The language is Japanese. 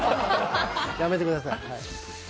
やめてください。